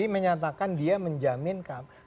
menyatakan dia menjamin